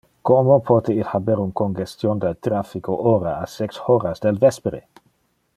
Como pote il haber un congestion del traffico ora, a sex horas del vespere?